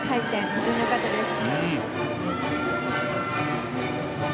非常に良かったです。